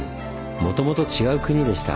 もともと違う国でした。